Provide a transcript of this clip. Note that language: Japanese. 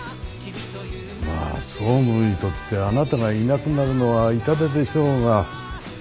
まあ総務部にとってあなたがいなくなるのは痛手でしょうが。